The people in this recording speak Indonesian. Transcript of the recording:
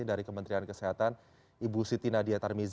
dari kementerian kesehatan ibu siti nadia tarmizi